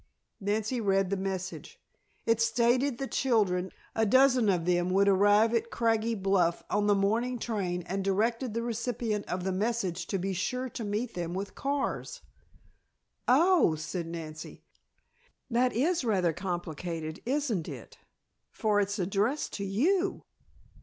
Nancy read the message. It stated that the children, a dozen of them, would arrive at Craggy Bluff on the morning train and directed the recipient of the message to be sure to meet them with cars! "Oh," said Nancy. "That is rather complicated, isn't it, for it's addressed to you?"